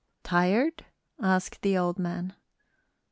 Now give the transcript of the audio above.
] "Tired?" asked the old man.